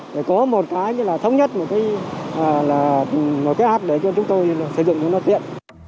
để có một cái như là thống nhất một cái áp để cho chúng tôi sử dụng nó tiện